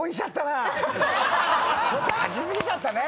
ちょっと勝ち過ぎちゃったね。